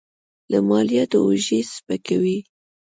له مالیاتو اوږې سپکوي.